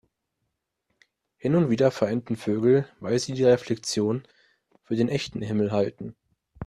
Hin und wieder verenden Vögel, weil sie die Reflexion für den echten Himmel halten.